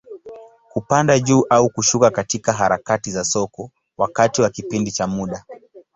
Kupanda juu au kushuka katika harakati za soko, wakati wa kipindi cha muda.